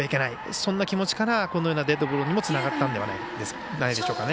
そのような気持ちからデッドボールにもつながったのではないかと思いますね。